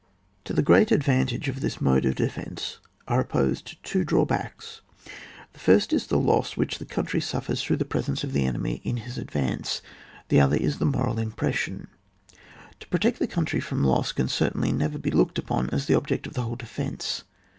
To the great advantage of this mode of defence are opposed two drawbacks. The first is the loss which the country suffers through the presence of the enemy in his advance, the other is the moral impression. To protect the country from loss can certainly never be looked upon as the object of the whole defence.